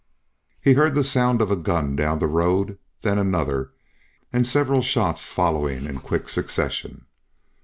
He heard the sound of a gun down the road, then another, and several shots following in quick succession.